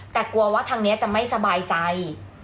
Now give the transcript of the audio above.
แต่กลัวว่าทางนี้จะไม่สบายใจ